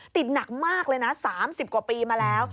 หนักมากเลยนะ๓๐กว่าปีมาแล้ว